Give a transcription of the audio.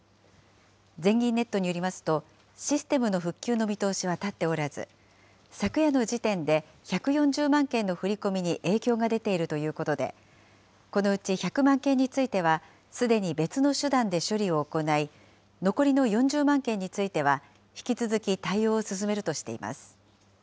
全銀ネットによりますと、システムの復旧の見通しは立っておらず、昨夜の時点で１４０万件の振り込みに影響が出ているということで、このうち１００万件については、すでに別の手段で処理を行い、残りの４０万件については、引き続き対応を進めるとしています。